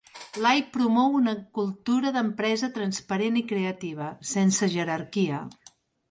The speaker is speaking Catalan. Lai promou una cultura d'empresa transparent i creativa, sense jerarquia.